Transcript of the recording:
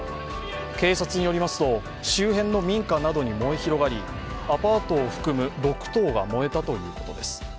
警察によりますと周辺の民家などに燃え広がり、アパートを含む６棟が燃えたということです。